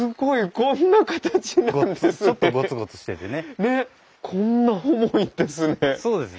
こんな重いんですね。